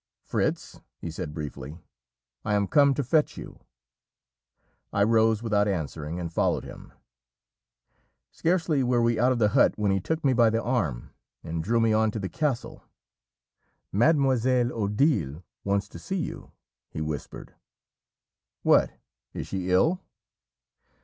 "Fritz," he said briefly, "I am come to fetch you." I rose without answering and followed him. Scarcely were we out of the hut when he took me by the arm and drew me on to the castle. "Mademoiselle Odile wants to see you," he whispered. "What! is she ill?"